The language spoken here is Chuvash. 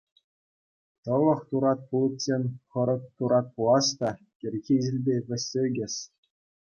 Тӑлӑх турат пуличчен хӑрӑк турат пулас та кӗрхи ҫилпе вӗҫсе ӳкес.